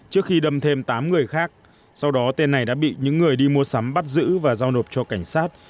trước khi đâm thêm tám người khác sau đó tên này đã bị những người đi mua sắm bắt giữ và giao nộp cho cảnh sát